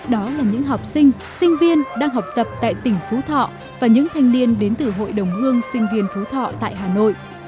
đó là những học sinh sinh viên đang học tập tại tỉnh phú thọ và những thanh niên đến từ hội đồng hương sinh viên phú thọ tại hà nội